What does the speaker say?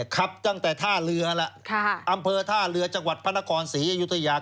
ขับตั้งแต่ท่าเรือแล้วอำเภอท่าเรือจังหวัดพระนครศรีอยุธยา